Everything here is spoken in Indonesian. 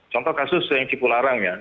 contoh kasus yang cipu larang ya